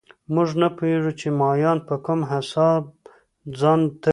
موږ نه پوهېږو چې مایان په کوم حساب ځان تړي